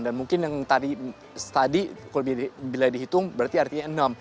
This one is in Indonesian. dan mungkin yang tadi kalau bila dihitung berarti artinya enam